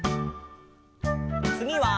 つぎは。